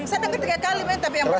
saya dengar tiga kali tapi yang pertama